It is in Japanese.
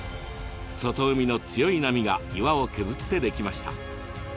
外海の強い波が岩を削って出来ました。